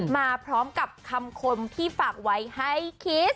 มาพร้อมกับคำคมที่ฝากไว้ให้คิด